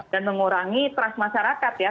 dan mengurangi trust masyarakat ya